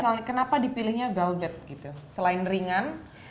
kalau misalnya kenapa dipilihnya velvet gitu selain ringan